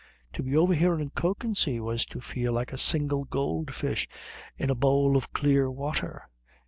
To be over here in Kökensee was to feel like a single goldfish in a bowl of clear water.